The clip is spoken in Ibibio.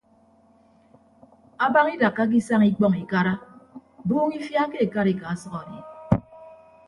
Abañ idakkake isañ ikpọñ ikara buuñ ifia ke ekarika ọsʌk adi.